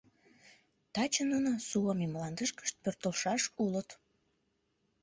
Таче нуно Суоми мландышкышт пӧртылшаш улыт.